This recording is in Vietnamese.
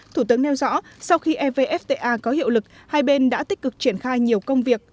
thủ tướng nêu rõ sau khi evfta có hiệu lực hai bên đã tích cực triển khai nhiều công việc